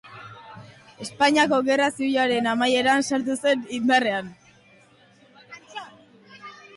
Espainiako Gerra Zibilaren amaieran sartu zen indarrean.